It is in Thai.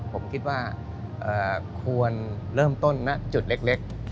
ผมคิดว่าควรเริ่มต้นณจุดเล็ก